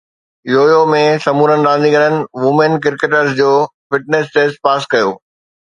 U يو ۾ سمورن رانديگرن وومين ڪرڪيٽرز جو فٽنيس ٽيسٽ پاس ڪيو